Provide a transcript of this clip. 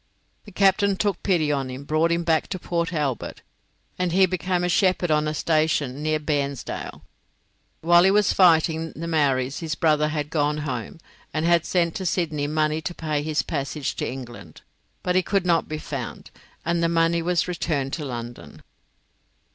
The captain took pity on him, brought him back to Port Albert, and he became a shepherd on a station near Bairnsdale. While he was fighting the Maoris his brother had gone home, and had sent to Sydney money to pay his passage to England. But he could not be found, and the money was returned to London.